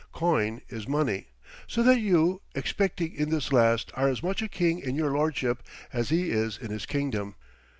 Coin is money. So that you, excepting in this last, are as much a king in your lordship as he is in his kingdom.